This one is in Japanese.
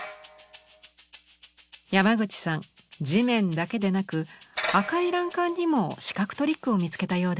山口さん地面だけでなく赤い欄干にも視覚トリックを見つけたようです。